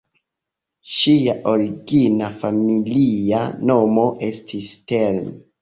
Ŝia origina familia nomo estis "Stern".